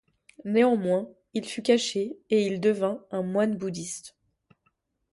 Néanmoins, il fut caché et il devint un moine bouddhiste.